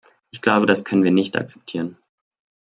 Ich glaube, das können wir nicht akzeptieren.